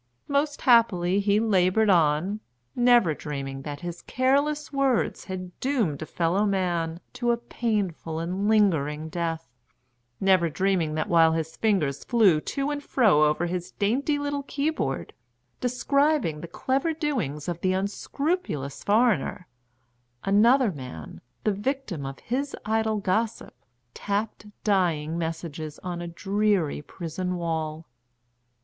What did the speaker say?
Most happily he laboured on, never dreaming that his careless words had doomed a fellow man to a painful and lingering death; never dreaming that while his fingers flew to and fro over his dainty little keyboard, describing the clever doings of the unscrupulous foreigner, another man, the victim of his idle gossip, tapped dying messages on a dreary prison wall.